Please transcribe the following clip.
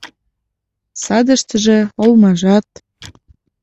Садыштыже олмажат